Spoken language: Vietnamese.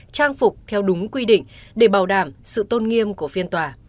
trang phục theo đúng quy định để bảo đảm sự tôn nghiêm của phiên tòa